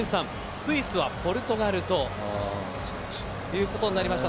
スイスはポルトガルということになりました。